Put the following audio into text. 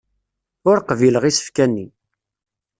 Ur qbileɣ isefka-nni.